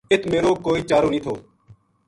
اِت میرو کوئی چارو نیہہ تھو